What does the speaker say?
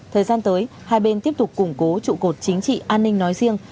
thời gian tới hai bên tiếp tục củng cố trụ cột chính trị an ninh nói riêng